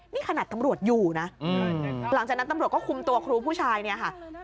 นี่ขนาดตำรวจอยู่นะหลังจากนั้นตำรวจก็คุมตัวครูผู้ชายเนี่ยค่ะ